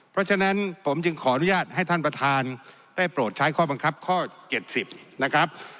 เพราะฉะนั้นผมจึงขออนุญาตให้ท่านประธานได้โปรดใช้ข้อบังคับข้อ๗๐นะครับ